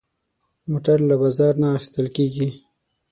موټر له بازار نه اخېستل کېږي.